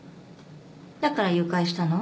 だから誘拐したの？